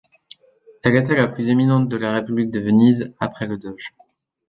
Elle était la plus éminente de la République de Venise, après le doge.